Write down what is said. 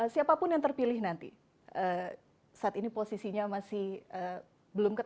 siapapun yang terpilih nanti saat ini posisinya masih belum ketemu